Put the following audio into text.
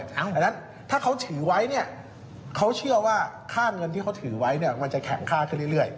เพราะฉะนั้นถ้าเขาถือไว้เนี่ยเขาเชื่อว่าค่าเงินที่เขาถือไว้เนี่ยมันจะแข็งค่าขึ้นเรื่อย